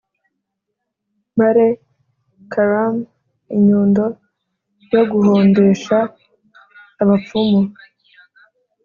Male carum Inyundo yo guhondesha abapfumu